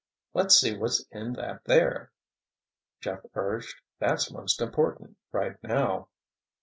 "Let's see what's in that there!" Jeff urged. "That's most important, right now!"